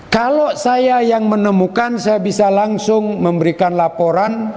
kalau saya yang menemukan saya bisa langsung memberikan laporan